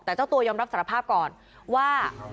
แต่เจ้าตัวยอมรับสารภาพก่อนว่า